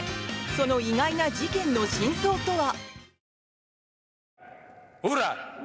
その意外な事件の真相とは？